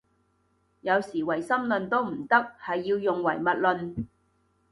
有時唯心論都唔得，係要用唯物論